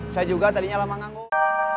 saya juga tadinya lama nganggur